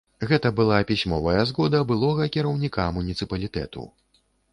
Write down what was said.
Гэта была пісьмовая згода былога кіраўніка муніцыпалітэту.